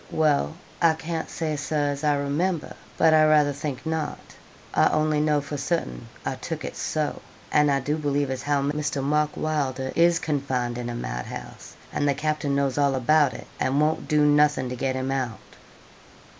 'Well, I can't say, Sir, as I remember; but I rayther think not. I only know for certain, I took it so; and I do believe as how Mr. Mark Wylder is confined in a mad house, and the captain knows all about it, and won't do nothing to get him out.'